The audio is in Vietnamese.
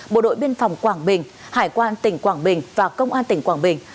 bộ đội biên phòng quảng bình hải quan tỉnh quảng bình và công an tỉnh quảng bình